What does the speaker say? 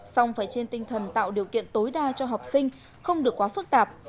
xong phải trên tinh thần tạo điều kiện tối đa cho học sinh không được quá phức tạp